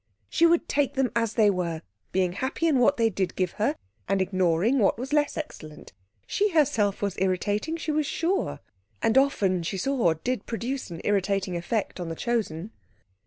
She would take them as they were, being happy in what they did give her, and ignoring what was less excellent. She herself was irritating, she was sure, and often she saw did produce an irritating effect on the Chosen.